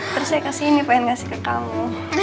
terus saya kasih ini pengen ngasih ke kamu